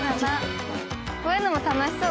こういうのも楽しそう。